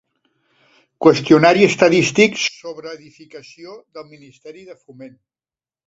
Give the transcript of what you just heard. Qüestionari estadístic sobre edificació del Ministeri de Foment.